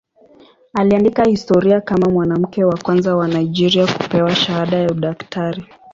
Aliandika historia kama mwanamke wa kwanza wa Nigeria kupewa shahada ya udaktari.